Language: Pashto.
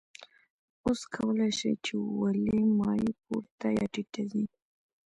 اوس کولی شئ چې ولې مایع پورته یا ټیټه ځي.